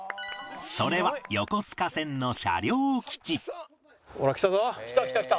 それは横須賀線の車両基地来た来た来た！